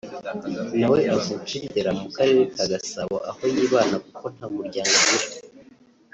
nawe avuka i Ndera mu karere ka Gasabo aho yibana kuko nta muryango agira